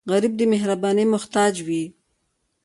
غریب د مهربانۍ محتاج وي